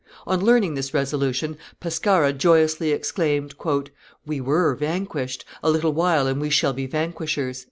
On learning this resolution, Pescara joyously exclaimed, "We were vanquished; a little while and we shall be vanquishers."